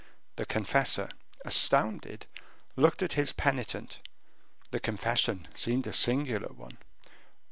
The confessor, astounded, looked at his penitent; the confession seemed a singular one.